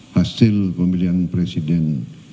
hasil pemilihan presiden dua ribu dua puluh empat